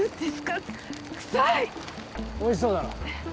おいしそうだろ？